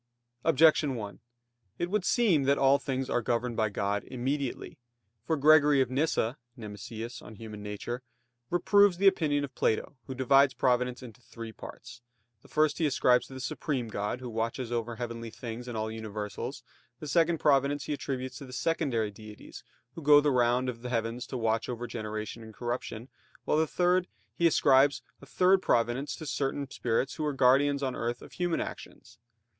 Objection 1: It would seem that all things are governed by God immediately. For Gregory of Nyssa (Nemesius, De Nat. Hom.) reproves the opinion of Plato who divides providence into three parts. The first he ascribes to the supreme god, who watches over heavenly things and all universals; the second providence he attributes to the secondary deities, who go the round of the heavens to watch over generation and corruption; while he ascribes a third providence to certain spirits who are guardians on earth of human actions.